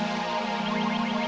aku nggak tahu gimana caranya